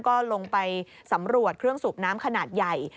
ก็ลงไปสำรวจเครื่องสูบน้ำขนาดใหญ่